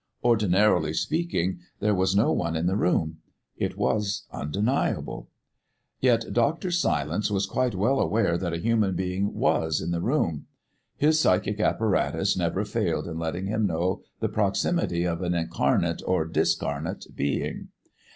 Ordinarily speaking, there was no one in the room. It was undeniable. Yet Dr. Silence was quite well aware that a human being was in the room. His psychic apparatus never failed in letting him know the proximity of an incarnate or discarnate being.